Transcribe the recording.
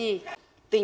tình trạng sinh viên